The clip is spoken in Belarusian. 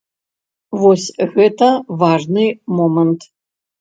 Вось гэта важны момант.